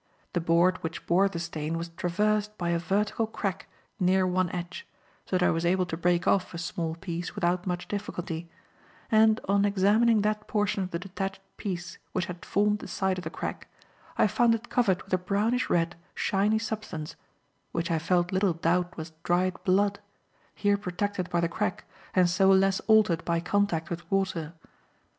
The board which bore the stain was traversed by a vertical crack near one edge, so that I was able to break off a small piece without much difficulty; and on examining that portion of the detached piece which had formed the side of the crack, I found it covered with a brownish red, shiny substance, which I felt little doubt was dried blood, here protected by the crack and so less altered by contact with water.